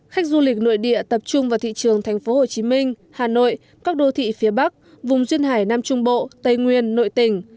khách du lịch nội địa tập trung vào thị trường thành phố hồ chí minh hà nội các đô thị phía bắc vùng duyên hải nam trung bộ tây nguyên nội tỉnh